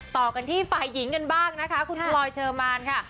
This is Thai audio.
ต่อกันที่ฝ่ายหญิงกันบ้างนะคะคุณพลอยเชอร์มานค่ะ